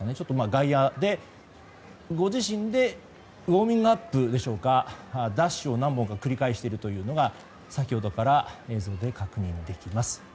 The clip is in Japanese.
外野でご自身でウォーミングアップでしょうかダッシュを何本か繰り返しているというのが先ほどから映像で確認できます。